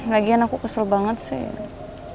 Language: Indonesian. lagian aku kesel banget sih